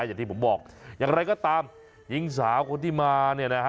อย่างที่ผมบอกอย่างไรก็ตามหญิงสาวคนที่มาเนี่ยนะฮะ